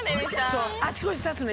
そうあちこちさすの。